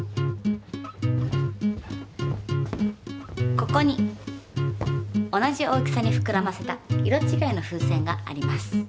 ここに同じ大きさにふくらませた色ちがいの風船があります。